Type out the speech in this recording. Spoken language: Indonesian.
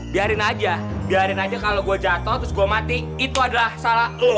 biarin aja biarin aja kalau gue jatuh terus gue mati itu adalah salah lo